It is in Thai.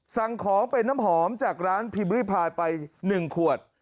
สั่งของเป็นน้ำหอมจากร้านพิมริพายไป๑ขวด